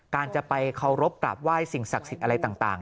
การจะไปเคารพกราบไหว้สิ่งศักดิ์สิทธิ์อะไรต่าง